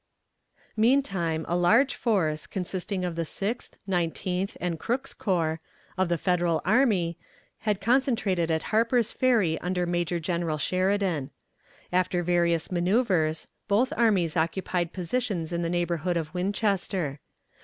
Meantime a large force, consisting of the Sixth, Nineteenth, and Crook's corps, of the Federal army, had concentrated at Harper's Ferry under Major General Sheridan. After various manoeuvres, both armies occupied positions in the neighborhood of Winchester.